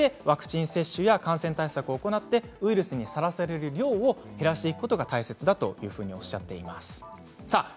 ワクチン接種は感染対策を行ったうえでウイルスにさらされる量を減らしていくことが大切だというふうにおっしゃっています。